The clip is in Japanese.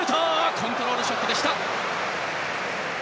コントロールショットでした。